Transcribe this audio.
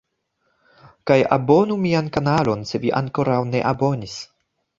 Kaj abonu mian kanalon se vi ankoraŭ ne abonis